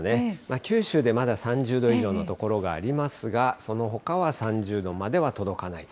九州でまだ３０度以上の所がありますが、そのほかは３０度までは届かない。